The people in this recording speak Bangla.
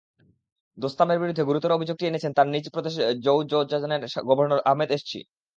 দোস্তামের বিরুদ্ধে গুরুতর অভিযোগটি এনেছেন তাঁর নিজ প্রদেশ জোওজজানের সাবেক গভর্নর আহমেদ এসচি।